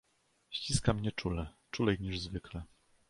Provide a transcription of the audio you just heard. "Ściska mnie czule, czulej niż zwykle."